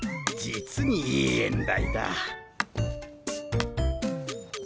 実にいい縁台だ。